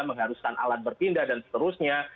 mengharuskan alat berpindah dan seterusnya